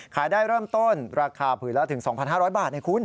ขายได้เริ่มต้นราคาผืนละถึง๒๕๐๐บาทนะคุณ